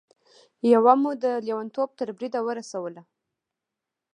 يوه مو د لېونتوب تر بريده ورسوله.